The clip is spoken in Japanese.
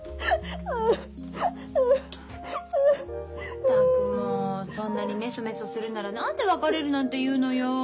ったくもうそんなにめそめそするなら何で別れるなんて言うのよ。